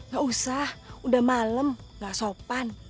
gak usah udah malam gak sopan